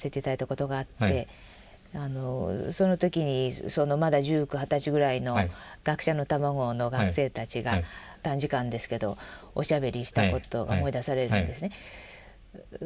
その時にまだ１９二十ぐらいの学生の卵の学生たちが短時間ですけどおしゃべりしたことが思い出されるんですね。